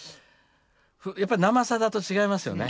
やっぱ「生さだ」と違いますよね。